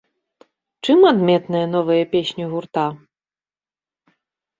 Чым адметныя новыя песні гурта?